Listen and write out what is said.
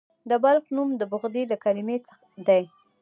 د بلخ نوم د بخدي له کلمې دی